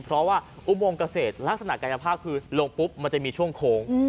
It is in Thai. เพราะว่าอุโมงเกษตรลักษณะกายภาพคือลงปุ๊บมันจะมีช่วงโค้ง